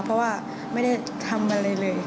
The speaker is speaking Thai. เพราะว่าไม่ได้ทำอะไรเลย